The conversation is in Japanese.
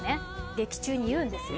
劇中に言うんですよ。